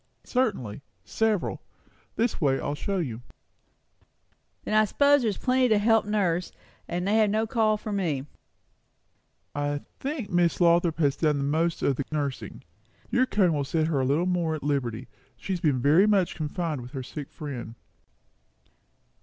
"Certainly. Several. This way I will show you." "Then I s'pose there's plenty to help nurse, and they have no call for me?" "I think Miss Lothrop has done the most of the nursing. Your coming will set her a little more at liberty. She has been very much confined with her sick friend."